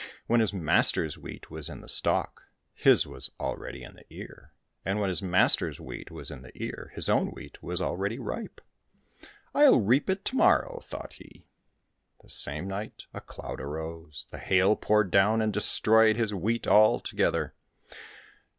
When his master's wheat was in the stalk, his was already in the ear, and when his master's wheat was in the ear, his own wheat was already ripe. *' I'll reap it to morrow," thought he. The same night a cloud arose, the hail poured down, and destroyed his wheat altogether.